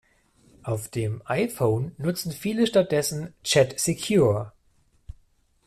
Auf dem iPhone nutzen viele stattdessen ChatSecure.